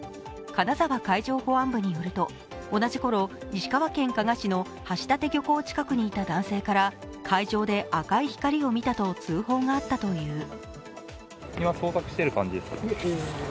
金沢海上保安部によると同じころ石川県加賀市の橋立漁港近くにいた男性から海上で赤い光を見たと通報があったという。